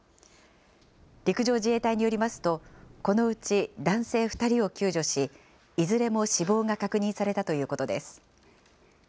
陸上自衛隊によりますと、このうち男性２人を救助し、いずれも死亡が確認されたということです。